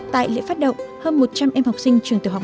tại lễ phát động hơn một trăm linh em học sinh trường tiểu học